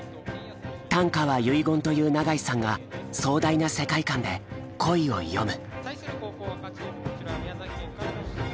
短歌は遺言という永井さんが壮大な世界観で恋を詠む。